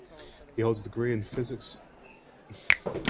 He holds a degree in Physical Science from University of Colombo.